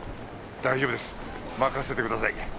大丈夫です任せてください。